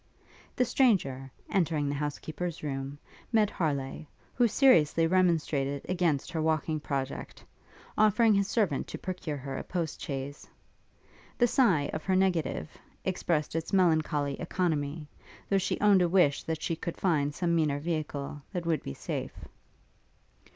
The stranger, entering the housekeeper's room, met Harleigh, who seriously remonstrated against her walking project, offering his servant to procure her a post chaise. The sigh of her negative expressed its melancholy economy, though she owned a wish that she could find some meaner vehicle that would be safe.